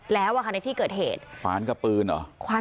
แล้ววันเกิดเหตุนะครับ